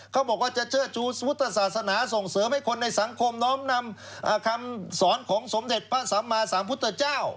เขาบอกว่าจะเชิดชูพุทธศาสนาส่งเสริมให้คนในสังคมน้อมนำคำสอนของสมเด็จพระสัมมาสามพุทธเจ้า